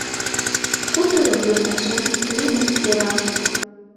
Кутыро, йолташем, лӱмышт сӧрал.